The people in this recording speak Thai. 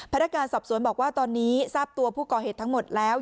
พนักงานสอบสวนบอกว่าตอนนี้ทราบตัวผู้ก่อเหตุทั้งหมดแล้ว